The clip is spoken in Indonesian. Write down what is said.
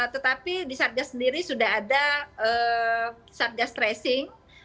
tetapi di satgas sendiri sudah ada satgas tracing